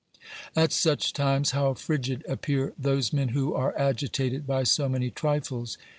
At such times how frigid appear those men who are agitated by so many trifles